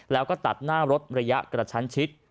แล้วก็ตัดหน้ารถระยะกระชั้นชิด